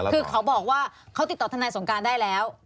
คือเขาบอกว่าเขาติดต่อทนายสงการได้แล้ว